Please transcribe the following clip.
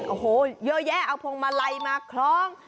โอ้โฮเยอะแยะเอาพงมะไลมาคล้อง